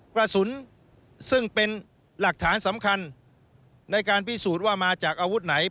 กระสุนซึ่งเป็นหลักฐานสำคัญในการพิสูจน์ว่ามาจากอาวุธไหน